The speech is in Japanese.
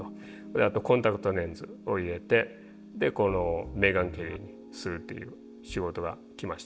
あとコンタクトレンズを入れてこのメーガン・ケリーにするっていう仕事が来ました。